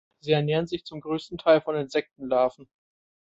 Sie ernähren sich zum größten Teil von Insektenlarven.